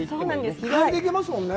日帰りで行けるもんね？